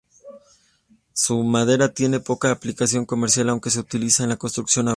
Su madera tiene poca aplicación comercial, aunque se utilizaba en la construcción naval.